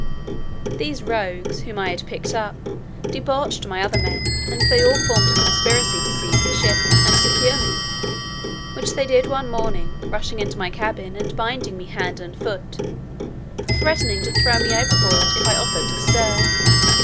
These rogues, whom I had picked up, debauched my other men, and they all formed a conspiracy to seize the ship, and secure me; which they did one morning, rushing into my cabin, and binding me hand and foot, threatening to throw me overboard, if I offered to stir.